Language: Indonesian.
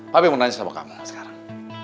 papi mau nanya sama kamu sekarang